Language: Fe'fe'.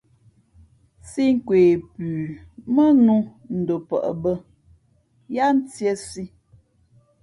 Sī nkwe pʉ mά nnū ndopαʼ bᾱ yáá ntīēsī.